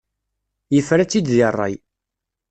Yefra-tt-id deg ṛṛay.